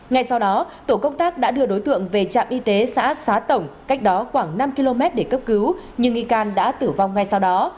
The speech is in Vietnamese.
ngay sau đó tổ công tác đã đưa đối tượng về trạm y tế xã xá tổng cách đó khoảng năm km để cấp cứu nhưng nghi can đã tử vong ngay sau đó